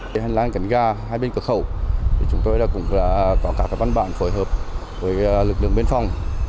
khi hành lang cẳnh ga hai bên cửa khẩu chúng tôi cũng có các văn bản phối hợp với lực lượng biên phòng